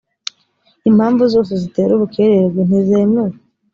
impamvu zose zitera ubukererwe ntizemewe